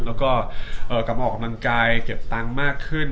แล้วก็กลับมาออกกำลังกายเก็บตังค์มากขึ้น